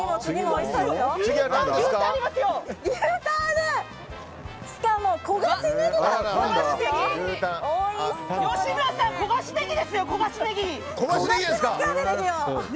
おいしそうですね。